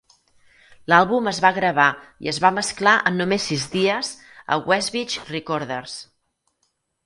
L'àlbum es va gravar i es va mesclar en només sis dies a Westbeach Recorders.